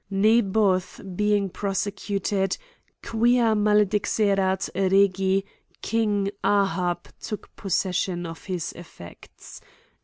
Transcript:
Ncboth be ing prosecuted, quia maledixerat regi, king jihd^b took possession of his effects.